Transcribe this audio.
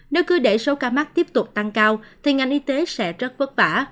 nếu cứ để số ca mắc tiếp tục tăng cao thì ngành y tế sẽ rất vất vả